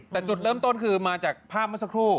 แต่จุดเริ่มต้นคือมาจากภาพเมื่อสักครู่